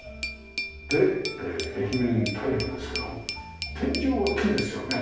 で壁面タイルですけども天井は木ですよね。